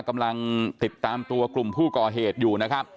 กำลังติดตามตัวกลุ่มผู้ก่อเหตุอยู่นะครับ